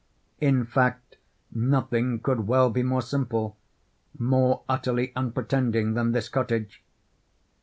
In fact nothing could well be more simple—more utterly unpretending than this cottage.